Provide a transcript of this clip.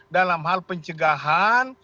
dalam hal pencegahan